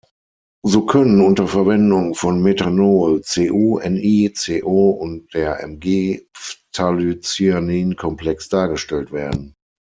So können unter Verwendung von Methanol Cu-, Ni-, Co- und der Mg-Phthalocyanin-Komplex dargestellt werden.